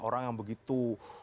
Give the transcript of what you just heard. orang yang begitu